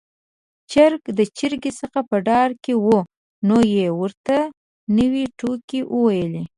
چرګ د چرګې څخه په ډار کې و، نو يې ورته نوې ټوکې وويلې.